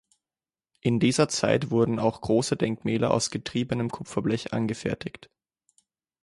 In dieser Zeit wurden auch große Denkmäler aus getriebenem Kupferblech angefertigt.